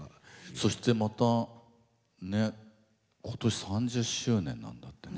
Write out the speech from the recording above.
そしてまたね今年３０周年なんだってね。